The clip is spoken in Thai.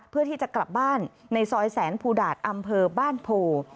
เพื่อที่จะกลับบ้านในซอยแสนภูดาตอำเภอบ้านโพ